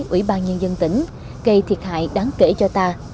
ủy ban nhân dân tỉnh gây thiệt hại đáng kể cho ta